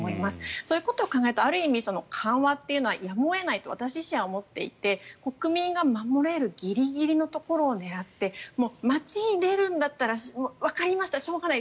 そういうことを考えるとある意味、緩和というのはやむを得ないと私自身は思っていて国民が守れるギリギリのところを狙って街に出るんだったらわかりました、しょうがない。